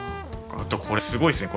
あとこれすごいっすね